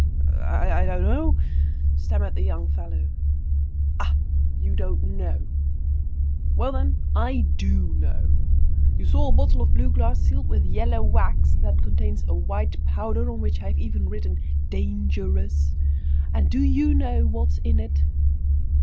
"I don't know," stammered the young fellow. "Ah! you don't know! Well, then, I do know! You saw a bottle of blue glass, sealed with yellow wax, that contains a white powder, on which I have even written 'Dangerous!' And do you know what is in it?